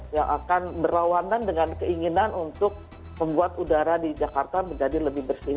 yang akan berlawanan dengan keinginan untuk membuat udara di jakarta menjadi lebih bersih